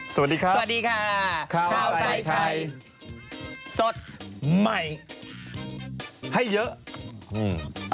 สวัสดีครับสวัสดีค่ะข้าวใส่ไข่สดใหม่ให้เยอะอืม